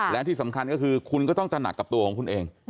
และที่สำคัญก็คือคุณก็ต้องตระหนักกับตัวของคุณเอง